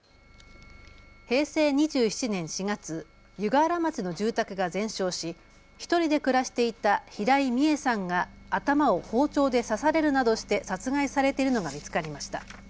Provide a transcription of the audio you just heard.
平成２７年４月、湯河原町の住宅が全焼し１人で暮らしていた平井美江さんが頭を包丁で刺されるなどして殺害されているのが見つかりました。